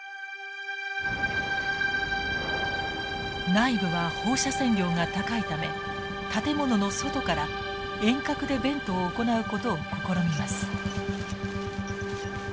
内部は放射線量が高いため建物の外から遠隔でベントを行うことを試みます。